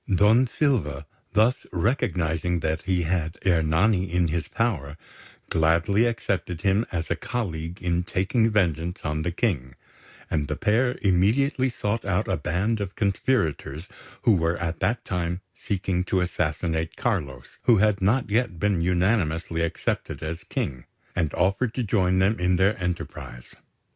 Don Silva, thus recognising that he had Ernani in his power, gladly accepted him as a colleague in taking vengeance on the King; and the pair immediately sought out a band of conspirators who were at that time seeking to assassinate Carlos, who had not yet been unanimously accepted as King, and offered to join them in their enterprise.